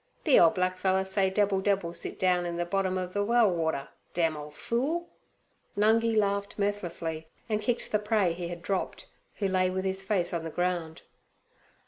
B—— ole black feller say Debbil debbil sit down in ther bottom ov ther well water, dam ole fool!' Nungi laughed mirthlessly, and kicked the prey he had dropped, who lay with his face on the ground.